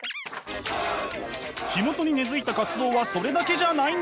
地元に根づいた活動はそれだけじゃないんです。